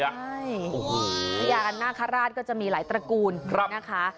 ใช่พญากันนาคาราชก็จะมีหลายตระกูลนะคะ